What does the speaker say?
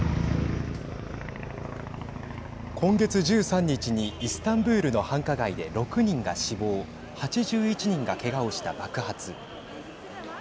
今月１３日にイスタンブールの繁華街で６人が死亡８１人がけがをした爆発。